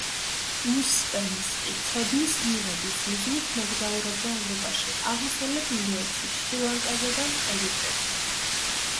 უსპენსკი ცოდნის მიღების მიზნით მოგზაურობდა ევროპაში, აღმოსავლეთ ინდოეთში, შრი-ლანკაზე და ეგვიპტეში.